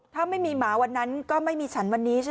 ถ้าไม่มีหมาวันนั้นก็ไม่มีฉันวันนี้ใช่ไหม